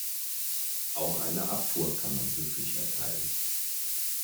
Auch eine Abfuhr kann man höflich erteilen.